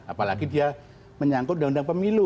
apalagi dia menyangkut undang undang pemilu